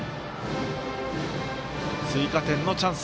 追加点のチャンス